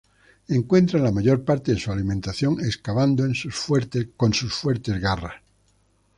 Encuentran la mayor parte de su alimento excavando con sus fuertes garras.